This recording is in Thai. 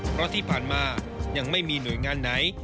เพราะที่ผ่านมายังไม่มีหน่วยงานไหน